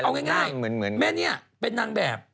เอาง่ายแม่นี้เป็นนางแบบ